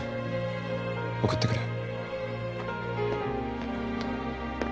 送ってくる。